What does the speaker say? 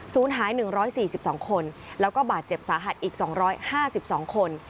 หาย๑๔๒คนแล้วก็บาดเจ็บสาหัสอีก๒๕๒คน